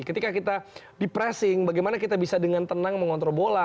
ketika kita di pressing bagaimana kita bisa dengan tenang mengontrol bola